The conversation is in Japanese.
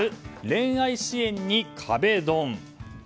恋愛支援に壁ドン。